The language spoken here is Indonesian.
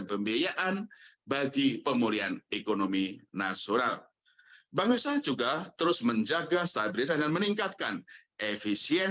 kebijakan suku bunga bang risa